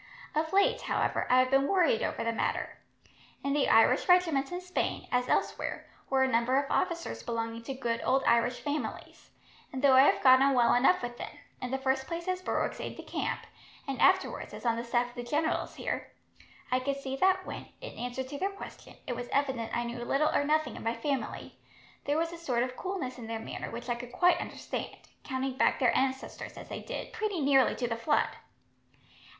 Of late, however, I have been worried over the matter. In the Irish regiments in Spain, as elsewhere, were a number of officers belonging to good old Irish families, and though I have got on well enough with them in the first place as Berwick's aide de camp, and afterwards as on the staff of the generals here I could see that when, in answer to their question, it was evident I knew little or nothing of my family, there was a sort of coolness in their manner which I could quite understand, counting back their ancestors, as they did, pretty nearly to the flood.